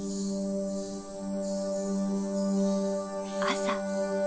朝。